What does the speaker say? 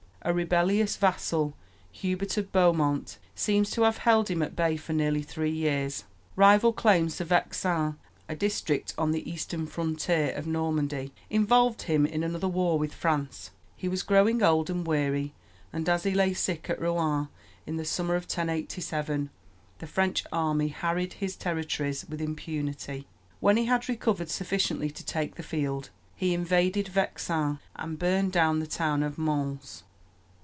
A rebellious vassal, Hubert of Beaumont, seems to have held him at bay for nearly three years. Rival claims to Vexin, a district on the eastern frontier of Normandy, involved him in another war with France. He was growing old and weary, and, as he lay sick at Rouen in the summer of 1087, the French army harried his territories with impunity. When he had recovered sufficiently to take the field, he invaded Vexin and burned the town of Mantes.